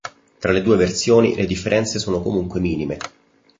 Tra le due versioni le differenze sono comunque minime.